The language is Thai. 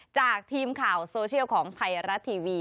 จากทีมข่าวโซเชียลของไทยรัฐทีวี